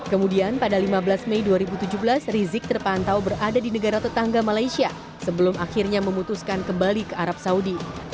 kemudian pada lima belas mei dua ribu tujuh belas rizik terpantau berada di negara tetangga malaysia sebelum akhirnya memutuskan kembali ke arab saudi